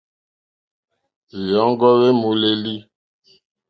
Hwèɔ́ŋɡɔ́ hwé !mólélí.